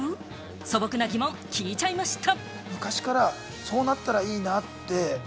素朴な疑問、聞いちゃいました。